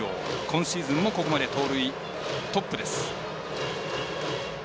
今シーズンもここまで盗塁トップです。